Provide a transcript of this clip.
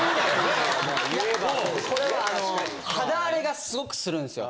それは、肌荒れがすごくするんですよ。